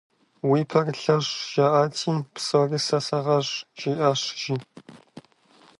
«Уи пэр лъэщӏ» жаӏати, «Псори сэ сагъэщӏ» жиӏащ, жи.